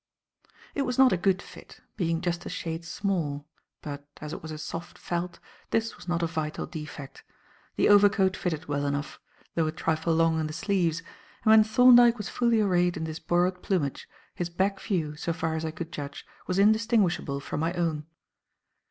It was not a good fit, being just a shade small; but, as it was a soft felt, this was not a vital defect. The overcoat fitted well enough, though a trifle long in the sleeves, and when Thorndyke was fully arrayed in this borrowed plumage, his back view, so far as I could judge, was indistinguishable from my own.